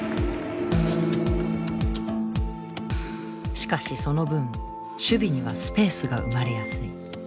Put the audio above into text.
しかしその分守備にはスペースが生まれやすい。